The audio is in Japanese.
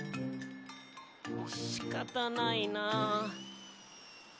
しかたないなあ。